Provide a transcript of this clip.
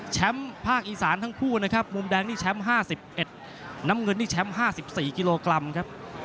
ภาคอีสานทั้งคู่นะครับมุมแดงนี่แชมป์๕๑น้ำเงินนี่แชมป์๕๔กิโลกรัมครับ